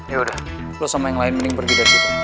yaudah lo sama yang lain mending pergi dari situ